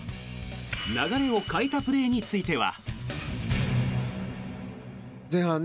流れを変えたプレーについては。